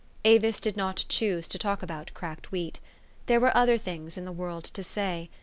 Avis did not choose to talk about cracked wheat. There were other things in the world to say.